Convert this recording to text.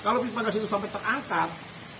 kalau pipa gas itu sampai terangkat